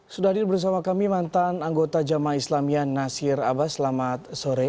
sudah hadir bersama kami mantan anggota jamaah islamian nasir abbas selamat sore